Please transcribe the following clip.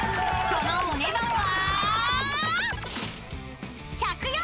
［そのお値段は］